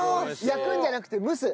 焼くんじゃなくて蒸す？